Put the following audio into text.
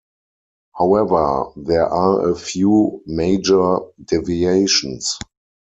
However, there are a few major deviations.